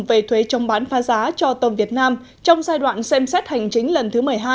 về thuế trong bán pha giá cho tôm việt nam trong giai đoạn xem xét hành chính lần thứ một mươi hai